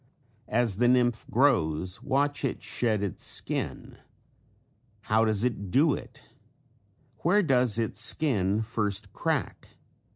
As the nymph grows watch it shed its skin. How does it do it? Where does its skin first crack?